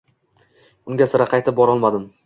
Unga sira qaytib borolmadim.